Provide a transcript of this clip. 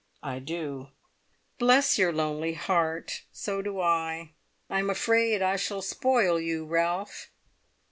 I do." "Bless your lonely heart! So do I. I'm afraid I shall spoil you, Ralph!"